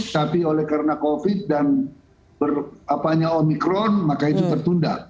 tapi oleh karena covid dan berapanya omikron maka itu tertunda